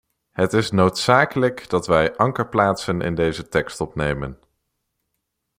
Het is noodzakelijk dat wij ankerplaatsen in deze tekst opnemen.